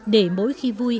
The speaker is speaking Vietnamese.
để mỗi khi vui